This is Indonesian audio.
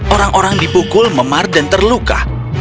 orang orang dipukul memar dan terluka